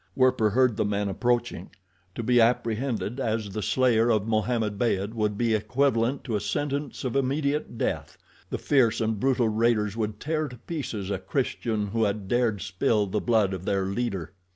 Werper heard the men approaching. To be apprehended as the slayer of Mohammed Beyd would be equivalent to a sentence of immediate death. The fierce and brutal raiders would tear to pieces a Christian who had dared spill the blood of their leader.